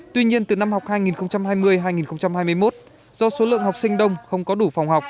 tuy nhiên từ năm học hai nghìn hai mươi hai nghìn hai mươi một do số lượng học sinh đông không có đủ phòng học